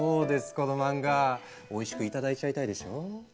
この漫画おいしく頂いちゃいたいでしょ？